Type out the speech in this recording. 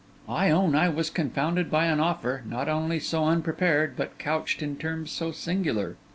I own I was confounded by an offer, not only so unprepared, but couched in terms so singular.